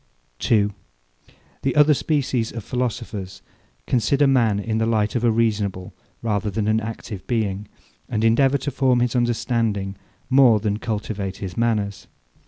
2. The other species of philosophers consider man in the light of a reasonable rather than an active being, and endeavour to form his understanding more than cultivate his manners.